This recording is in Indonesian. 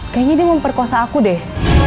kayaknya dia memperkosa aku deh